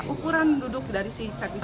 ukuran duduk dari si servis itu